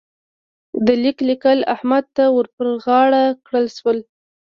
د ليک لیکل احمد ته ور پر غاړه کړل شول.